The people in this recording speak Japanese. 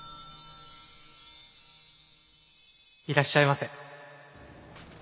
いらっしゃいませ。